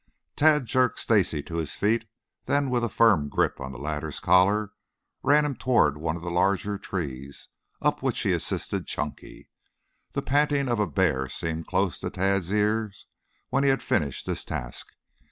Tad jerked Stacy to his feet, then with a firm grip on the latter's collar ran him toward one of the larger trees, up which he assisted Chunky. The panting of a bear seemed close to Tad's ears when he had finished this task.